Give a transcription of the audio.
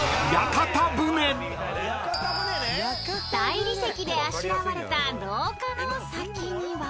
［大理石であしらわれた廊下の先には］